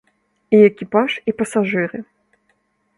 І экіпаж, і пасажыры.